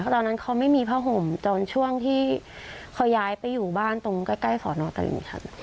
ตอนนั้นเขาไม่มีผ้าห่มตอนช่วงที่เขาย้ายไปอยู่บ้านตรงใกล้สอนอตลิงครับ